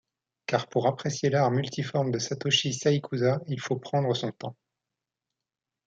Car pour apprécier l'art multiforme de Satoshi Saïkusa, il faut prendre son temps.